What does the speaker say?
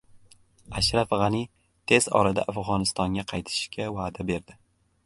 Ashraf G‘ani tez orada Afg‘onistonga qaytishga va’da berdi